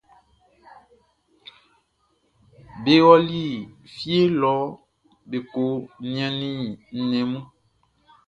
Be ɔli fie lɔ be ko niannin nnɛn mun.